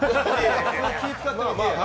気を遣ってますね。